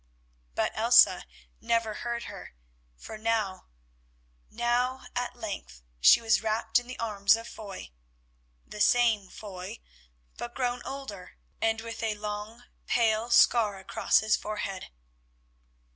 But Elsa never heard her, for now—now at length, she was wrapped in the arms of Foy; the same Foy, but grown older and with a long pale scar across his forehead.